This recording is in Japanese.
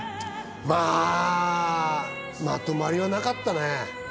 まぁ、まとまりはなかったね。